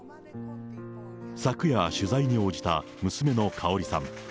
昨夜、取材に応じた娘のかおりさん。